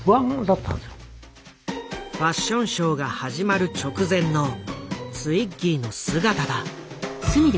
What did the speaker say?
ファッションショーが始まる直前のツイッギーの姿だ。